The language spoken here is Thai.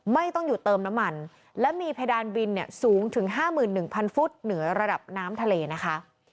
ไม่ต้องอยู่เติมน้ำมันและมีเพดานบินสูงถึง๕๑๐๐ฟุตเหนือระดับน้ำทะเลนะคะ